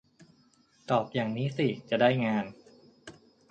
ตอบอย่างนี้สิจะได้งาน